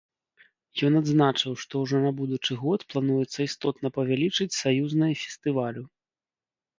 Ён адзначыў, што ўжо на будучы год плануецца істотна павялічыць саюзнае фестывалю.